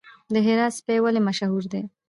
د هرات سپي ولې مشهور دي؟